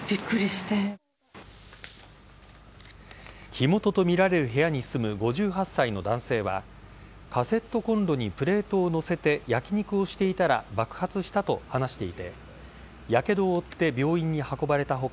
火元とみられる部屋に住む５８歳の男性はカセットコンロにプレートを載せて焼き肉をしていたら爆発したと話していてやけどを負って病院に運ばれた他